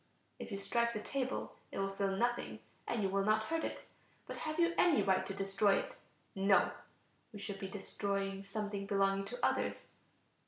If you strike the table it will feel nothing and you will not hurt it; but have you any right to destroy it? No, we should be destroying something belonging to others.